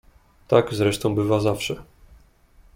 "Tak zresztą bywa zawsze."